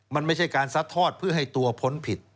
มันไม่ใช่การซัดทอดเพื่อให้ตัวพ้นผิด